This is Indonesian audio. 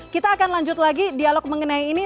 kita akan lanjut lagi dialog mengenai ini